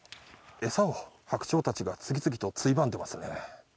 餌をハクチョウたちが次々とついばんでいますね。